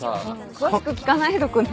詳しく聞かないでおくね。